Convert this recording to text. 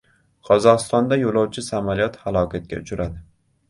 Qozog‘istonda yo‘lovchi samolyot halokatga uchradi.